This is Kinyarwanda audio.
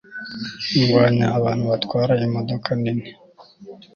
Ndwanya abantu batwara imodoka nini